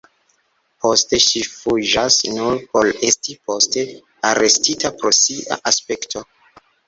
Poste ŝi fuĝas, nur por esti poste arestita pro sia aspekto.